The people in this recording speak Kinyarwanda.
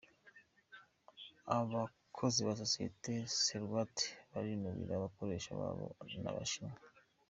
Abakozi ba sosiyete Sorwate barinubira abakoresha babo b’Abashinwa